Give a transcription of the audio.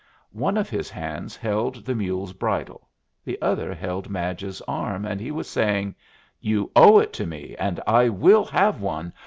One of his hands held the mule's bridle; the other held Madge's arm, and he was saying, "You owe it to me, and I will have one.